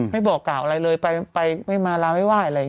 ไม่บอกกล่าวอะไรเลยไปไม่มาลาไม่ไหว้อะไรอย่างนี้